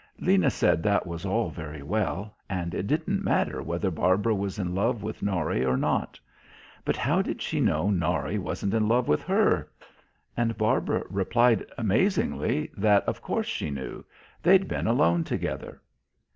Lena said that was all very well, and it didn't matter whether Barbara was in love with Norry or not; but how did she know Norry wasn't in love with her? And Barbara replied amazingly that of course she knew. They'd been alone together.